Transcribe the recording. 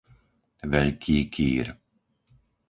Veľký Kýr